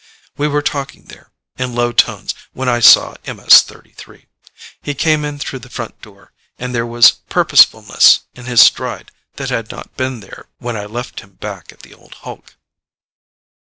We were talking there, in low tones, when I saw MS 33. He came in through the front door, and there was purposefulness in his stride that had not been there when I left him back at the old hulk.